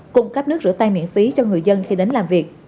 cung cấp nước rửa tay miễn phí cho người dân khi đến làm việc